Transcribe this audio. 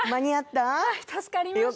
助かりました。